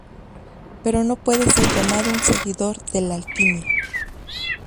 Pero no puede ser llamado un seguidor de la alquimia.